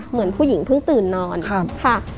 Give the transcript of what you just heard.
เหมือนผู้หญิงเพิ่งตื่นนอนค่ะ